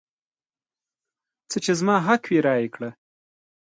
څه چې زما حق وي رایې کړه.